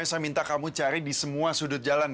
ibu sama bapak itu pasti nungguin